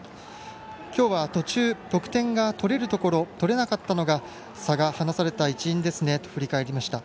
今日は途中、得点が取れるところ、取れなかったのが差を離された一因ですねと振り返りました。